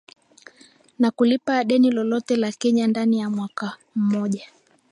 na kulipa deni lote la Kenya ndani ya mwaka mmoja